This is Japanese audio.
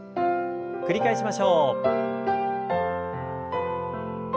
繰り返しましょう。